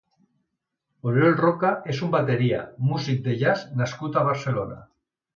Oriol Roca és un bateria, músic de jazz nascut a Barcelona.